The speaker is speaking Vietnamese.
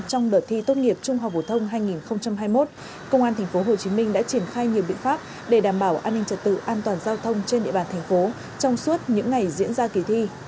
trong đợt thi tốt nghiệp trung học phổ thông hai nghìn hai mươi một công an tp hcm đã triển khai nhiều biện pháp để đảm bảo an ninh trật tự an toàn giao thông trên địa bàn thành phố trong suốt những ngày diễn ra kỳ thi